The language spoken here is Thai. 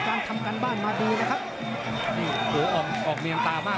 ต้องออกครับอาวุธต้องขยันด้วย